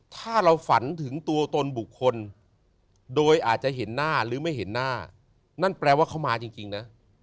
ถ้าเราฝันถึงตัวตนบุคคลโดยอาจจะเห็นหน้าหรือไม่เห็นหน้านั่นแปลว่าเขามาจริงนะ